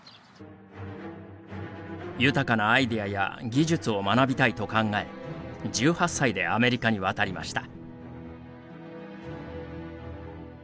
豊かなアイデアや技術を学びたいと考え、１８歳でアメリカに渡りました。